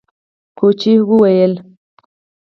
کوچي وويل: